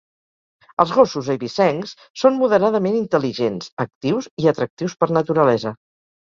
Els gossos eivissencs són moderadament intel·ligents, actius i atractius per naturalesa.